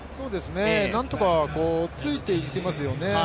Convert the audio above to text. なんとかついて行っていますよね。